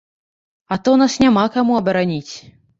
А то нас няма каму абараніць.